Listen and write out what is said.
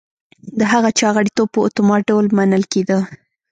د هغه چا غړیتوب په اتومات ډول منل کېده.